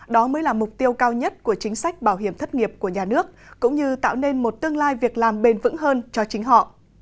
đó mới là mục tiêu cao nhất của chính sách bảo hiểm thất nghiệp của nhà nước cũng như tạo nên một tương lai việc làm bền vững hơn cho chính họ